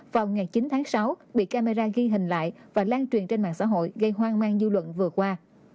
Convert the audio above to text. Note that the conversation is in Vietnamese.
vào ngày chín tháng sáu bị camera ghi hình lại và lan truyền trên mạng xã hội gây hoang mang dư luận vừa qua